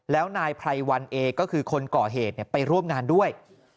แล้วนายไพรวันเอก็คือคนก่อเหตุไปร่วมงานด้วย